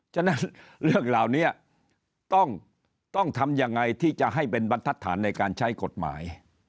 ฉะนั้นเรื่องเหล่านี้ต้องทำยังไงที่จะให้เป็นบรรทัศนในการใช้กฎหมาย